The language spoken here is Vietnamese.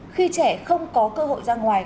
khi trẻ không có cơ hội ra ngoài